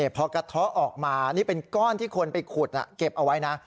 พอกระเทาะออกมานี่เป็นก้อนที่คนไปขุดเก็บเอาไว้นะ